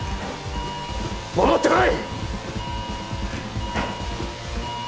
戻ってこい！